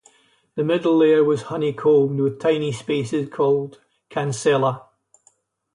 The middle layer was honeycombed with tiny spaces called cancella.